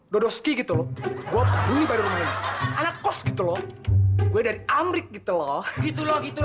dodoski gitu loh gue peduli pada rumahnya anak kos gitu loh gue dari amrik gitu loh gitu loh gitu loh